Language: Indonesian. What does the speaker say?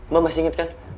mbak masih inget kan